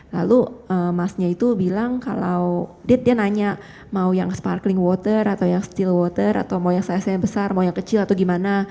lalu masnya itu bilang kalau dia nanya mau yang sparkling water atau yang still water atau mau yang saya besar mau yang kecil atau gimana